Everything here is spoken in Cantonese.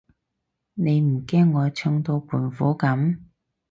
你唔驚我唱到胖虎噉？